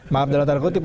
maaf dalam tanda kutip